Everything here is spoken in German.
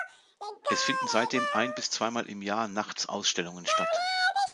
Es finden seitdem ein- bis zweimal im Jahr nachts Ausstellungen statt.